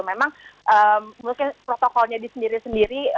memang mungkin protokolnya di sendiri sendiri